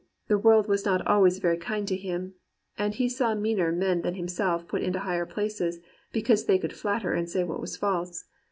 The world was not always very kind to him, and he saw meaner men than himself put into higher places, because they could flatter and say what was false.